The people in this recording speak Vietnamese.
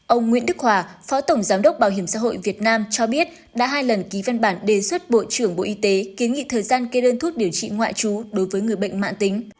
ông nguyễn đức hòa phó tổng giám đốc bảo hiểm xã hội việt nam cho biết đã hai lần ký văn bản đề xuất bộ trưởng bộ y tế kiến nghị thời gian kê đơn thuốc điều trị ngoại trú đối với người bệnh mạng tính